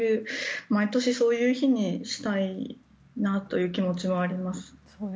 毎年そういうふうにしたいなという気持ちはあります。